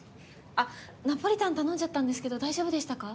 あっナポリタン頼んじゃったんですけど大丈夫でしたか？